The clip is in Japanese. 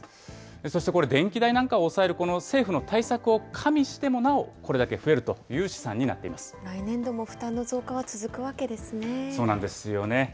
そしてこれ、電気代なんかを抑える、政府の対策を加味してもなお、これだけ増えるという試算になって来年度も負担の増加は続くわそうなんですよね。